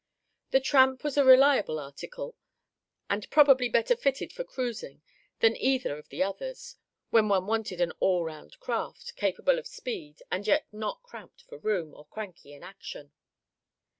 The Tramp was a reliable article, and probably better fitted for cruising than either of the others, when one wanted an all round craft, capable of speed, and yet not cramped for room, or cranky in action.